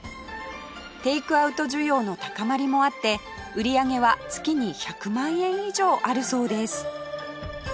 テイクアウト需要の高まりもあって売り上げは月に１００万円以上あるそうです